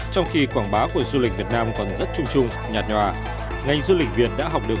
trong khi quảng bá của du lịch việt nam còn rất trung trung nhạt nhòa ngành du lịch việt đã học được